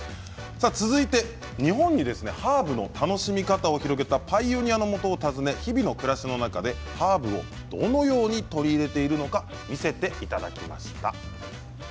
続いて日本にハーブの楽しみ方を広めたパイオニアのもとを訪ね日々の暮らしの中でハーブをどのように取り入れているのか見せていただきました。